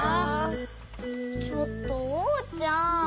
ちょっとおうちゃん。